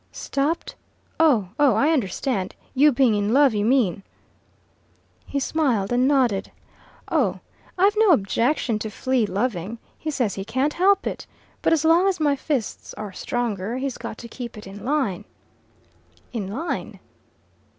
"Stopped oh oh, I understand. You being in love, you mean?" He smiled and nodded. "Oh, I've no objection to Flea loving. He says he can't help it. But as long as my fists are stronger, he's got to keep it in line." "In line?"